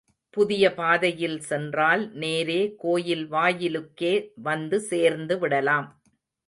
புதிய பாதையில் சென்றால் நேரே கோயில் வாயிலுக்கே வந்து சேர்ந்து விடலாம்.